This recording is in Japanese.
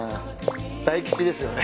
大吉ですよね。